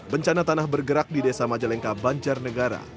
bencana tanah bergerak di desa majalengka banjar negara